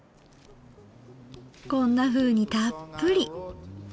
こんなふうにたっぷり。